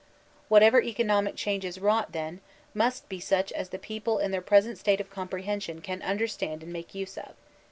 Whatever economic change is wrought, then, must be such as the people in their present state of comprehension can understand and make use of.